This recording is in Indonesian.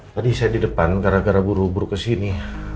tadi saya di depan gara gara buru buru kesini